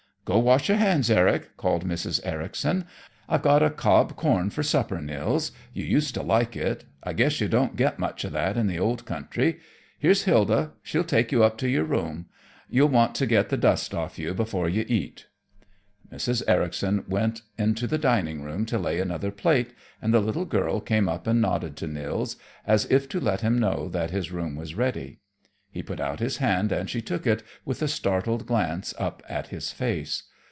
"Go wash your hands, Eric," called Mrs. Ericson. "I've got cob corn for supper, Nils. You used to like it. I guess you don't get much of that in the old country. Here's Hilda; she'll take you up to your room. You'll want to get the dust off you before you eat." Mrs. Ericson went into the dining room to lay another plate, and the little girl came up and nodded to Nils as if to let him know that his room was ready. He put out his hand and she took it, with a startled glance up at his face.